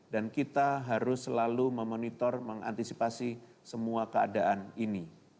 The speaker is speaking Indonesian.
dan kita harus selalu memonitor mengantisipasi semua keadaan ini